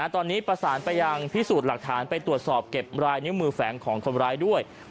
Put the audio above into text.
ตอนนี้ประสานไปยังพิสูจน์หลักฐานไปตรวจสอบเก็บรายนิ้วมือแฝงของคนร้ายด้วย